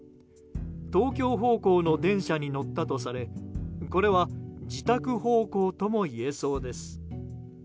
東京方向の電車に乗ったとされこれは自宅方向ともいえそうです。